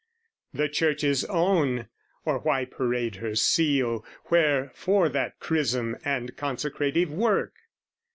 The Church's own, or why parade her seal, Wherefore that chrism and consecrative work?